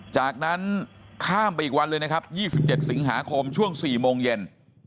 จากนั้นข้ามไปอีกวันเลยนะครับ๒๗สิงหาคมช่วง๔โมงเย็น